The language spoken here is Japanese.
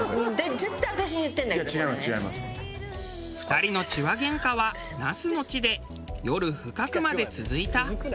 ２人の痴話喧嘩は那須の地で夜深くまで続いた。